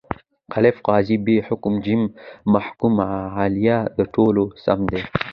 الف: قاضي ب: حاکم ج: محکوم علیه د: ټوله سم دي.